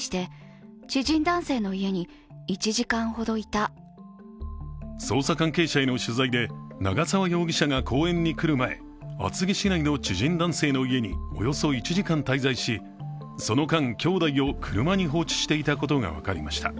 しかし捜査関係者への取材で長沢容疑者が公園に来る前、厚木市内の知人男性の家におよそ１時間滞在しその間、きょうだいを車に放置していたことが分かりました。